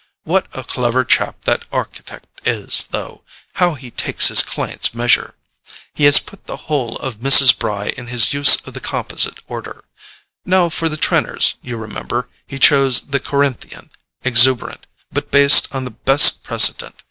What a clever chap that architect is, though—how he takes his client's measure! He has put the whole of Mrs. Bry in his use of the composite order. Now for the Trenors, you remember, he chose the Corinthian: exuberant, but based on the best precedent.